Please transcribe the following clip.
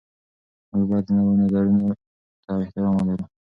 موږ باید د نورو نظرونو ته احترام ولرو.